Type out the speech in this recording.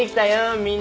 みんなに。